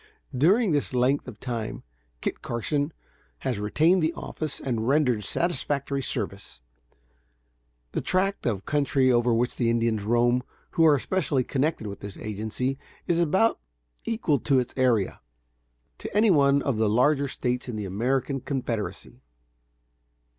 During this length of time Kit Carson has retained this office and rendered satisfactory service. The tract of country over which the Indians roam who are especially connected with his agency, is about equal in its area, to any one of the larger States in the American Confederacy.